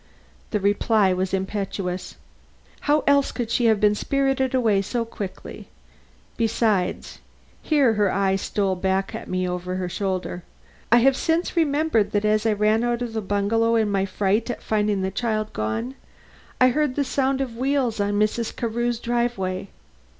The reply was impetuous: "How else could she have been spirited away so quickly? Besides, " here her eye stole back at me over her shoulder, "I have since remembered that as I ran out of the bungalow in my fright at finding the child gone, I heard the sound of wheels on Mrs. Carew's driveway.